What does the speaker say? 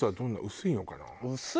薄いのかな？